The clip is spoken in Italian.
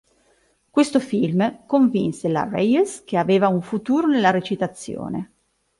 Questo film convinse la Reyes che aveva un futuro nella recitazione.